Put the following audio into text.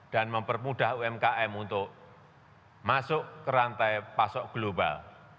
dan mempermudah umkm untuk masuk ke rantai pasok global